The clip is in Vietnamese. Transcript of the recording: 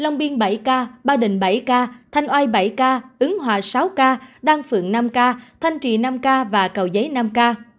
nguyễn bảy ca ba đình bảy ca thanh oai bảy ca ứng hòa sáu ca đan phượng năm ca thanh trị năm ca và cầu giấy năm ca